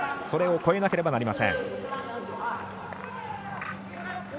それを超えなければなりません。